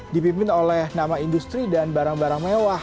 dipimpin oleh nama industri dan barang barang mewah